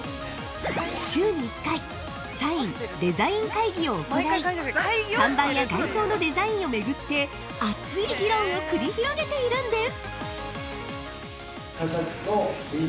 週に１回サイン・デザイン会議を行い看板や外装のデザインを巡って熱い議論を繰り広げているんです。